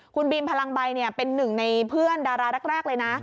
คุณบีมพลังใบเป็นหนึ่งในเพื่อนดาราแรกเลยนะ